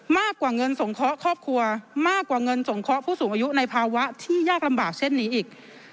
มากกว่าเงินสงเคราะห์ครอบครัวมากกว่าเงินสงเคราะห์ผู้สูงอายุในภาวะที่ยากลำบากเช่นนี้อีก